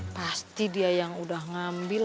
pasti dia yang udah ngambil